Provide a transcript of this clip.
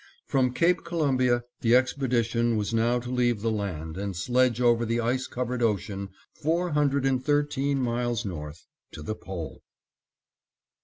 From Cape Columbia the expedition was now to leave the land and sledge over the ice covered ocean four hundred and thirteen miles north to the Pole!